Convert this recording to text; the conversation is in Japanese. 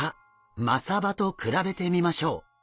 マサバと比べてみましょう。